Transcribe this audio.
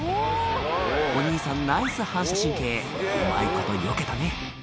お兄さんナイス反射神経うまいことよけたね